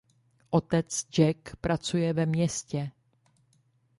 Otec Jack pracuje ve městě.